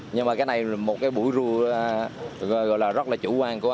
nhưng mà cái này là một cái bụi rùa gọi là rất là chủ quan của anh